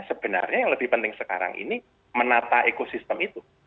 sebenarnya yang lebih penting sekarang ini menata ekosistem itu